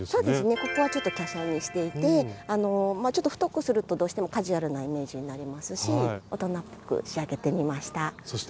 ここはちょっと華奢にしていてちょっと太くするとどうしてもカジュアルなイメージになりますし大人っぽく仕上げてみました。